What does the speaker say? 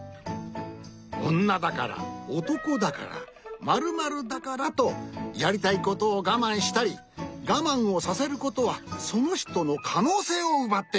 おんなだからおとこだから○○だからとやりたいことをがまんしたりがまんをさせることはそのひとのかのうせいをうばってしまう。